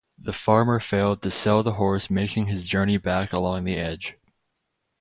The farmer failed to sell the horse making his journey back along the Edge.